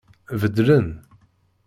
Beddlen.